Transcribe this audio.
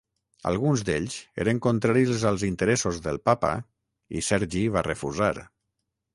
Alguns d'ells eren contraris als interessos del Papa i Sergi va refusar.